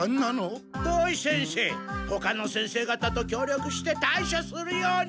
土井先生ほかの先生方ときょう力して対しょするように！